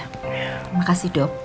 terima kasih dok